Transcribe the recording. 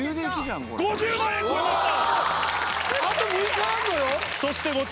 ５０万円超えました。